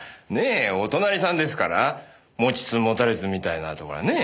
お隣さんですから持ちつ持たれつみたいなところはねえ？